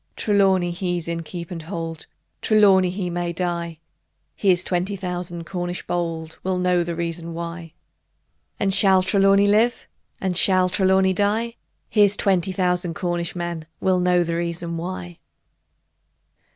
Trelawny he's in keep and hold; Trelawny he may die: Here's twenty thousand Cornish bold Will know the reason why And shall Trelawny live? Or shall Trelawny die? Here's twenty thousand Cornish men Will know the reason why!